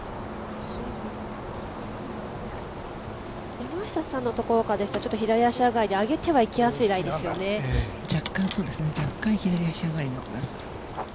山下さんの所からですと左へ足上がりで上げていきやすい若干左足上がりになっています。